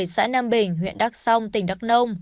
xã nam bình huyện đắc song tỉnh đắc nông